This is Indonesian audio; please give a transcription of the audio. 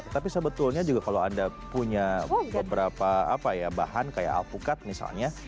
tapi sebetulnya juga kalau anda punya beberapa bahan kayak alpukat misalnya